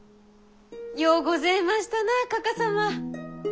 ようごぜましたなかか様。